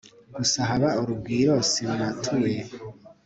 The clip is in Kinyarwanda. gusa haba urugwiro simatuye